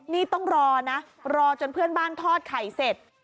นี่ต้องรอนะรอจนเพื่อนบ้านทอดไข่เสร็จ